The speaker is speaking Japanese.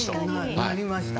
なりました。